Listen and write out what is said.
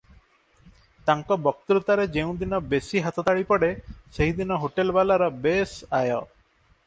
ତାଙ୍କ ବକ୍ତୃତାରେ ଯେଉଁଦିନ ବେଶି ହାତତାଳି ପଡ଼େ, ସେଦିନ ହୋଟେଲବାଲାର ବେଶ ଆୟ ।